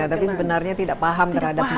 tapi sebenarnya tidak paham terhadap ini